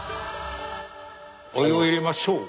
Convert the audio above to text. お湯を入れましょう。